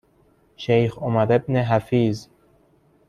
شیخ عمر بن حفیظ